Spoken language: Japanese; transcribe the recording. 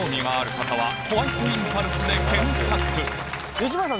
吉村さん